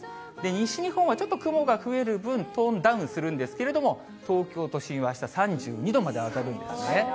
西日本はちょっと雲が増える分、トーンダウンするんですけれども、東京都心はあした３２度まで上がるんですね。